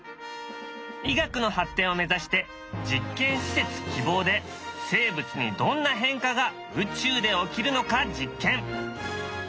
医学の発展を目指して実験施設「きぼう」で生物にどんな変化が宇宙で起きるのか実験。